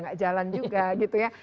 nggak jalan juga gitu ya